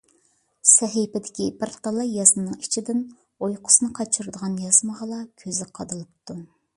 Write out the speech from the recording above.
سەھىپىدىكى بىر تالاي يازمىنىڭ ئىچىدىن ئۇيقۇسىنى قاچۇرىدىغان يازمىغىلا كۆزى قادىلىپتۇ.